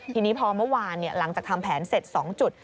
ทีนี้พอเมื่อวานหลังจากทำแผนเสร็จ๒จุด